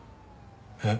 えっ？